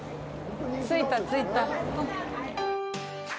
着いた、着いた。